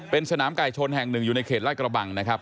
เป็นสนามไก่ชนแห่งหนึ่งอยู่ในเขตลาดกระบังนะครับ